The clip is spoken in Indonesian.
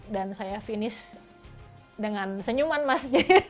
dan saya finish dengan senyuman mas